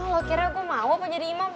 lo kira gue mau apa jadi imam